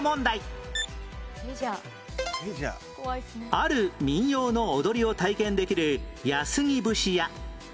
ある民謡の踊りを体験できる安来節屋